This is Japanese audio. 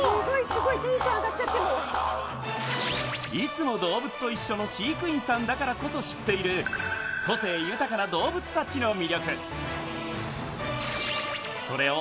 すごいテンション上がっちゃっていつも動物と一緒の飼育員さんだからこそ知っている個性豊かな動物達の魅力それを